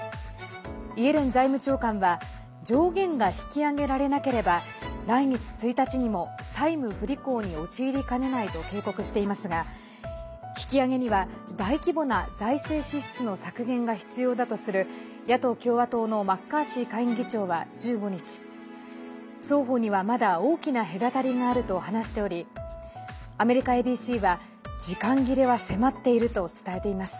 イエレン財務長官は上限が引き上げられなければ来月１日にも債務不履行に陥りかねないと警告していますが引き上げには、大規模な財政支出の削減が必要だとする野党・共和党のマッカーシー下院議長は１５日双方にはまだ大きな隔たりがあると話しておりアメリカＡＢＣは、時間切れは迫っていると伝えています。